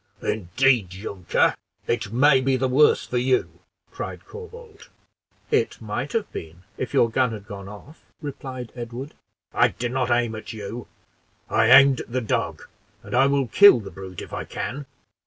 "Indeed, younker! it may be the worse for you," cried Corbould. "It might have been if your gun had gone off," replied Edward. "I did not aim at you. I aimed at the dog, and I will kill the brute if I can."